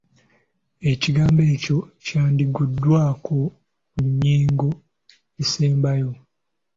Ekigambo ekyo kyandiggumiddwako ku nnyingo esembayo.